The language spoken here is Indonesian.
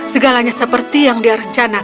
segalanya seperti yang dia rencanakan